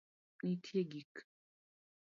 Nitie gik